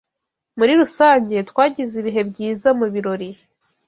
Muri rusange, twagize ibihe byiza mubirori.